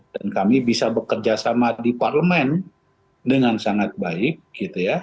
dan kami bisa bekerjasama di parlemen dengan sangat baik